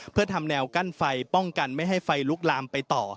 เพื่อทำแนวกั้นไฟป้องกันไม่ให้ไฟลุกลามไปต่อ